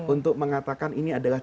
untuk mengatakan ini adalah